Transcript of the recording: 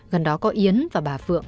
gần đó có yến và bà phượng